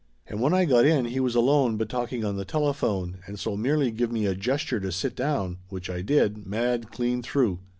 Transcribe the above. And when I got in he was alone but talking on the telephone, and so merely give me a gesture to sit down, which I did, mad clean through.